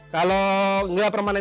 kalau nggak permanen